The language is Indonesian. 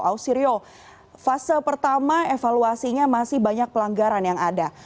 ausirio fase pertama evaluasinya masih banyak pelanggaran yang ada